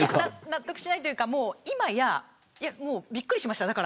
納得してないというかびっくりしました。